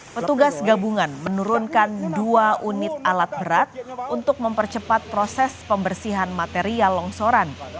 petugas gabungan menurunkan dua unit alat berat untuk mempercepat proses pembersihan material longsoran